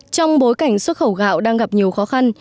trong bối cảnh xuất khẩu gạo đang gặp nhiều khó khăn